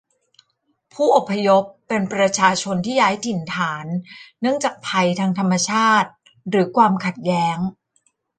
ผู้อพยพเป็นประชาชนที่ย้ายถิ่นฐานเนื่องจากภัยทางธรรมชาติหรือความขัดแย้ง